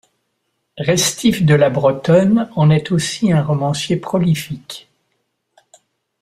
Restif de la Bretonne en est aussi un romancier prolifique.